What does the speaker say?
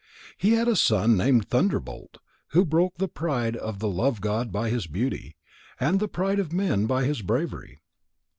He had a son named Thunderbolt who broke the pride of the love god by his beauty, and the pride of men by his bravery.